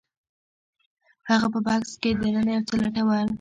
هغه په بکس کې دننه یو څه لټول